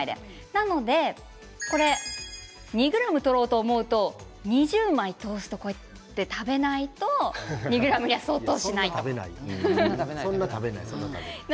なので２ｇをとろうと思うと２０枚トーストを食べないと２ｇには相当しないんですね。